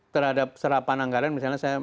terhadap serapan anggaran misalnya saya